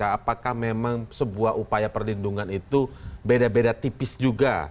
apakah memang sebuah upaya perlindungan itu beda beda tipis juga